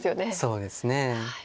そうですね。